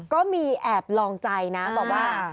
ก็มีแอบลองใจนะบอกว่า